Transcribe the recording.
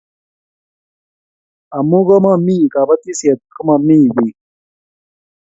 Amu komamie kabatishet komamie biik